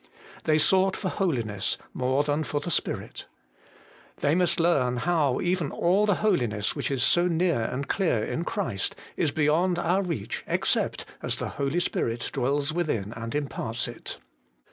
They sought for holiness more than for the Spirit. They must learn how even all the holiness which is so near and clear in Christ, is beyond our reach, except as the Holy Spirit dwells within and imparts it.